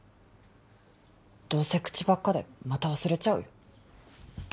どうせ口ばっかでまた忘れちゃうよ。